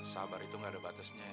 sabar itu gak ada batasnya